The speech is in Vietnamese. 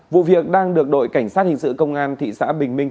vụ việc đang được đội cảnh sát hình sự công an thị xã bình minh